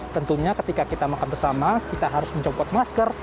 tentunya ketika kita makan bersama kita harus mencopot masker